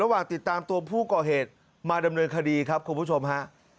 ระหว่างติดตามตัวผู้ก่อเหตุมาดำเนินคดีครับคุณผู้ชมฮะ